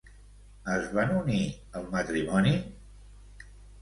Es van unir el matrimoni?